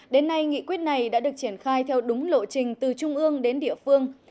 đến nay nghị quyết này đã được triển khai theo đúng lộ trình từ trung ương đến địa phương